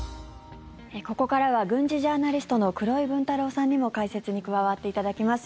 ここからは軍事ジャーナリストの黒井文太郎さんにも解説に加わっていただきます。